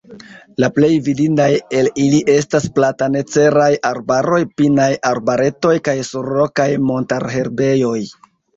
La plej vidindaj el ili estas platanaceraj arbaroj, pinaj arbaretoj kaj surrokaj montarherbejoj.